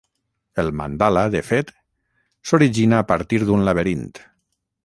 El mandala, de fet, s'origina a partir d'un laberint.